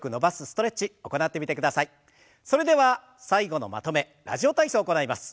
それでは最後のまとめ「ラジオ体操」を行います。